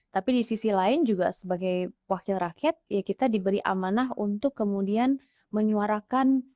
tapi di sisi lain juga sebagai wakil rakyat ya kita diberi amanah untuk kemudian menyuarakan